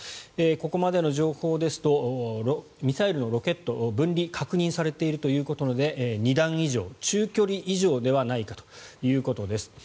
ここまでの情報ですとミサイルのロケット、分離が確認されているということなので２段以上、中距離以上ではないかということです。